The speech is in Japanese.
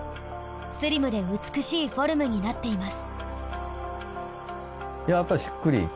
スリムで美しいフォルムになっています。